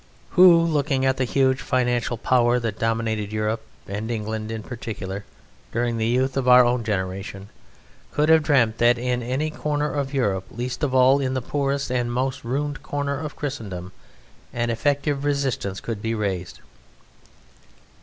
Who, looking at the huge financial power that dominated Europe, and England in particular, during the youth of our own generation, could have dreamt that in any corner of Europe, least of all in the poorest and most ruined corner of Christendom, an effective resistance could be raised?